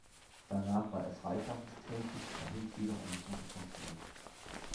Danach war er freischaffend tätig, erhielt jedoch eine gute Pension.